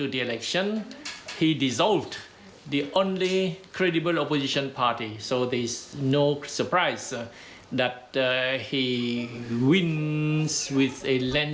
ให้สัมพันธ์หลังเสร็จสิ้นการเลือกตั้ง